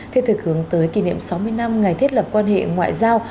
thiết thực hướng tới kỷ niệm sáu mươi năm ngày thiết lập quan hệ ngoại giao